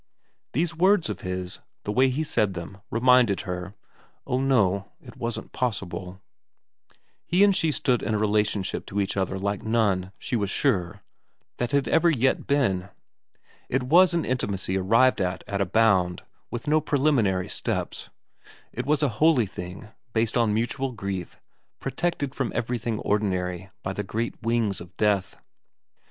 These words of his, the way he said them, reminded her oh no, it wasn't possible ; he and she stood in a relationship to each other like none, she was sure, that had ever yet been. It was an intimacy arrived at at a bound, with no preliminary steps. It was a holy thing, based on mutual grief, protected from everything ordinary by the great wings of Death.